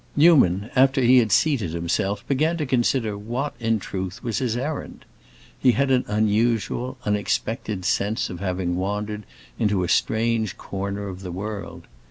Newman, after he had seated himself, began to consider what, in truth, was his errand. He had an unusual, unexpected sense of having wandered into a strange corner of the world.